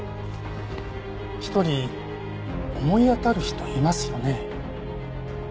一人思い当たる人いますよね。